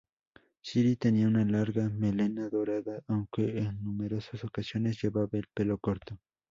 Siri tenía una larga melena dorada, aunque en numerosas ocasiones llevaba el pelo corto.